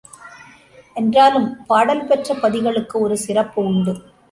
என்றாலும் பாடல் பெற்ற பதிகளுக்கு ஒரு சிறப்பு உண்டு.